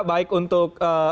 baik untuk demokrasi